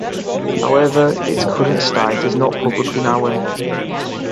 However, its current state is not publicly known.